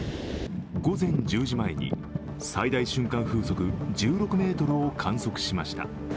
午前１０時前に、最大瞬間風速１６メートルを観測しました。